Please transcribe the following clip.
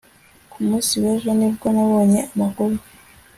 ku munsi w'ejo ni bwo nabonye amakuru